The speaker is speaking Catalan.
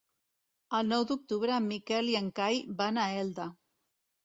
El nou d'octubre en Miquel i en Cai van a Elda.